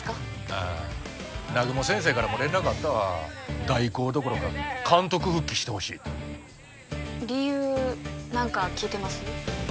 ああ南雲先生からも連絡あったわ代行どころか監督復帰してほしいて理由何か聞いてます？